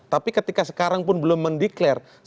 tapi ketika sekarang pun belum mendeklarasi